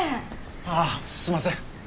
ああすいません。